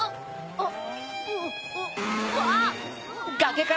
あっ！